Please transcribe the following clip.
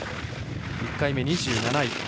１回目２７位。